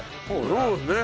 そうですね。